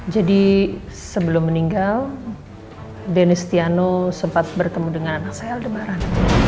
jadi sebelum meninggal dennis tiano sempat bertemu dengan anak saya aldebaran